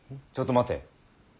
ちょっと待て。